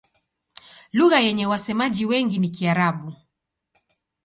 Lugha yenye wasemaji wengi ni Kiarabu.